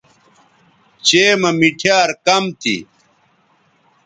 چئے مہ مِٹھیار کم تھی